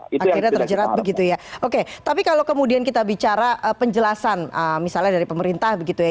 akhirnya terjerat begitu ya oke tapi kalau kemudian kita bicara penjelasan misalnya dari pemerintah begitu ya